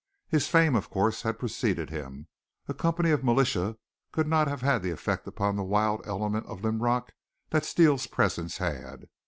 His fame, of course, had preceded him. A company of militia could not have had the effect upon the wild element of Linrock that Steele's presence had.